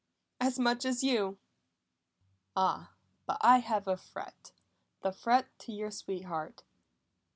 "As much as you!" "Ah, but I have a threat the threat to your sweetheart!